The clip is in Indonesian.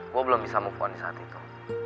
gue belum bisa move on disaat itu